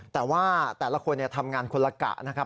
แต่ว่าแต่ละคนทำงานคนละกะนะครับ